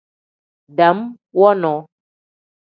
Dam wonoo.